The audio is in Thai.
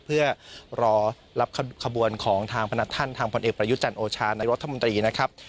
เพื่อรอรับขบวนของทางพนักท่านทางพลเอกประยุจันทร์โอชานายรัฐมนตรีนะครับ